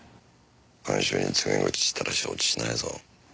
看守に告げ口したら承知しないぞ。